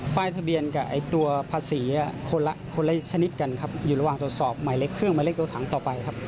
ป้ายทะเบียนกับตัวภาษีคนละชนิดกันครับอยู่ระหว่างตรวจสอบหมายเลขเครื่องหมายเล็กตัวถังต่อไปครับ